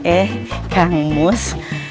eh kang mus